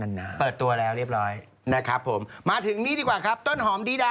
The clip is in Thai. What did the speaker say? อ่าแนวไปนี่เขาเด็มใจนะที่จะทำอะไรอย่างนี้นะ